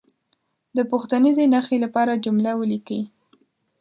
د پوښتنیزې نښې لپاره جمله ولیکي.